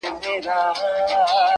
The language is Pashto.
بیا به ترې د ځان د حال تپوس کووم